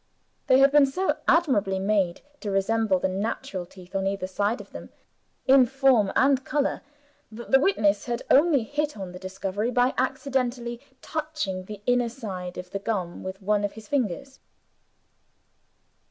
They had been so admirably made to resemble the natural teeth on either side of them, in form and color, that the witness had only hit on the discovery by accidentally touching the inner side of the gum with one of his fingers.